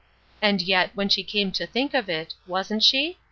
And yet, when she came to think of it, wasn't she?